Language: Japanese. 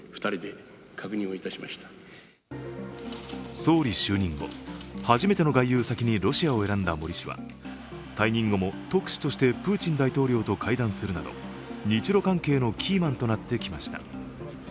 総理就任後、初めての外遊先にロシアを選んだ森氏は退任後も特使としてプーチン大統領と会談するなど日ロ関係のキーマンとなってきました。